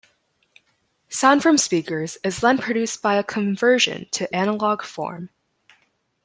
Sound from speakers is then produced by a conversion to analog form.